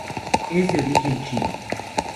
Es de origen chino.